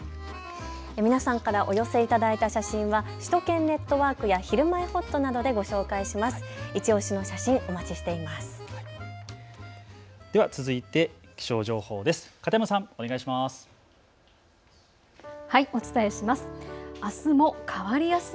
皆さんからお寄せいただいた写真は首都圏ネットワークやひるまえほっとなどでご紹介します。